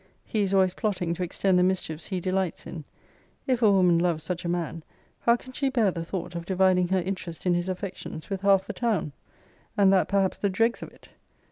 He is always plotting to extend the mischiefs he delights in. If a woman loves such a man, how can she bear the thought of dividing her interest in his affections with half the town, and that perhaps the dregs of it?